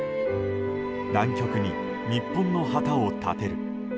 南極に日本の旗を立てる。